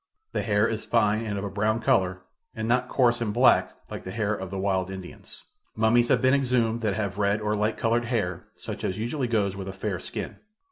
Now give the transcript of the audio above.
The hair is fine and of a brown color, and not coarse and black like the hair of the wild Indians. Mummies have been exhumed that have red or light colored hair such as usually goes with a fair skin.